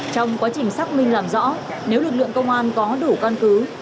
trong quá trình xác minh làm rõ nếu lực lượng công an có đủ căn cứ